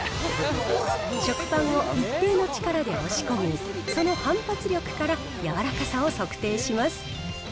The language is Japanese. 食パンを一定の力で押し込み、その反発力から柔らかさを測定します。